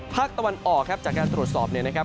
ภาคตะวันออกครับจากการตรวจสอบเนี่ยนะครับ